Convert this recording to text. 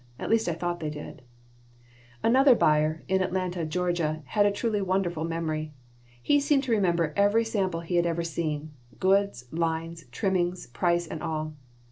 At least, I thought they did Another buyer, in Atlanta, Georgia, had a truly wonderful memory. He seemed to remember every sample he had ever seen goods, lines, trimmings, price, and all.